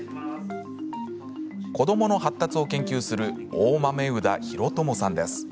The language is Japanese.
子どもの発達を研究する大豆生田啓友さんです。